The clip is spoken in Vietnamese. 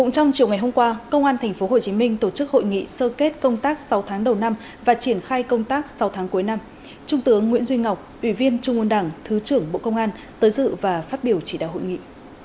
trong chiều ngày hôm qua công an tp hcm tổ chức hội nghị sơ kết công tác sáu tháng đầu năm và triển khai công tác sáu tháng cuối năm trung tướng nguyễn duy ngọc ủy viên trung ương đảng thứ trưởng bộ công an tới dự và phát biểu chỉ đạo hội nghị